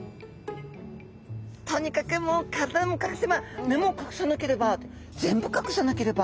とにかくもう体も隠せば目も隠さなければ全部隠さなければ！